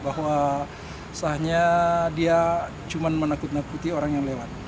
bahwa sahnya dia cuma menakut nakuti orang yang lewat